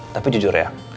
tapi jujur ya